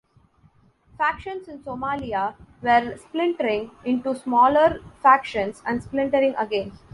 Factions in Somalia were splintering into smaller factions and splintering again.